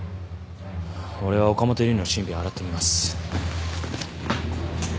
俺は岡本由梨の身辺を洗ってみます。